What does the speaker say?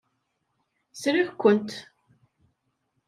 Sriɣ-kent.